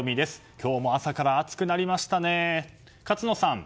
今日も朝から暑くなりましたね。